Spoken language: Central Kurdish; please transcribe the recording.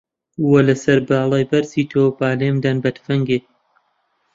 وە لە سەر باڵای بەرزی تۆ، با لێم دەن بە تفەنگێ